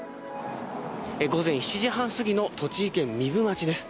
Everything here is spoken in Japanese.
午前７時半過ぎの栃木県壬生町です。